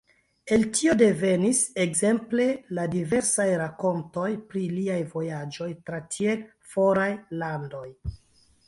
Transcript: El tio devenis, ekzemple, la diversaj rakontoj pri liaj vojaĝoj tra tiel foraj landoj.